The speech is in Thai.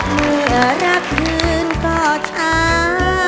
เหลือรักพื้นก็ช้ำ